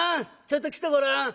ちょっと来てごらん。